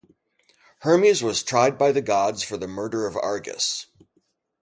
Hermes was tried by the gods for the murder of Argus.